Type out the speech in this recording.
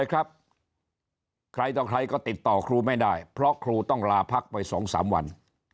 ก็ติดต่อครูไม่ได้เพราะครูต้องลาพักไปสองสามวัน